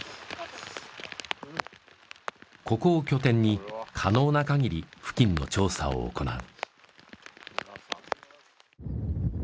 ここを拠点に可能な限り付近の調査を行う。